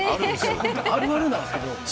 あるあるなんですけど４５枚。